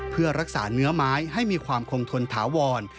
เพื่อรักษาเนื้อไม้ให้มีความคงทนถาวร